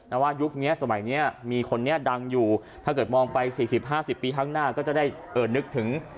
แต่ว่ายุคนี้สมัยนี้มีคนนี้ดังอยู่ถ้าเกิดมองไป๔๐๕๐ปีข้างหน้าก็จะได้นึกถึง